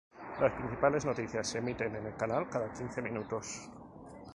Las principales noticias se emiten en el canal cada quince minutos.